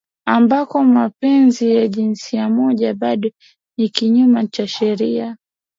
ambako mapenzi ya jinsia moja bado ni kinyume cha sheria